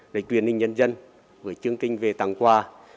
để quyền ninh nhân dân với chương trình về tăng qua